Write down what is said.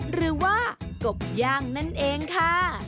หรือว่ากบย่างนั่นเองค่ะ